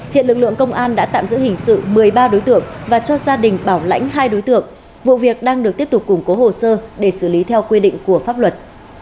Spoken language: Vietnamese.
hiện lực lượng công an đã tạm giữ hình sự một mươi ba đối tượng và cho gia đình bảo lãnh hai đối tượng vụ việc đang được tiếp tục củng cố hồ sơ để xử lý theo quy định của pháp luật